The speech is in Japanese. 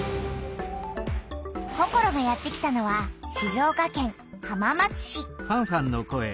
ココロがやって来たのは静岡県浜松市。